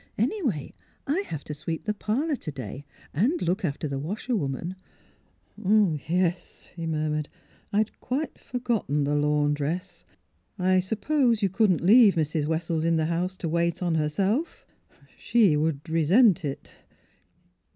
Anyway, I have to sweep the parlour to day, and look after the washwoman." " Ah, yes," he murmured, " I had quite forgot ten the laundress. I suppose you couldn't leave Mrs. Wessels in the house to wait on herself? She would — ah — resent it."